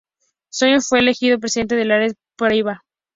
João Pessoa fue elegido presidente del estado de Paraíba.